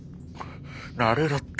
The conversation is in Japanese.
慣れろって。